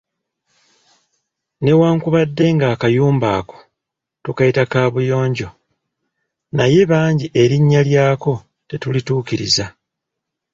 Newankubadde nga akayumba ako tukayita kaabuyonjo, naye bangi erinnya lyako tetulituukiriza.